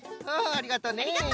ありがとう。